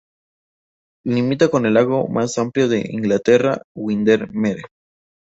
Limita con el lago más amplio de Inglaterra, Windermere.